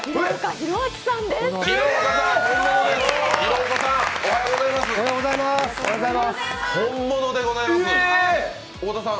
平岡さん、おはようございます。